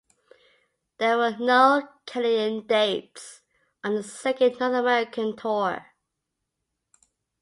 There were no Canadian dates on his second North American tour.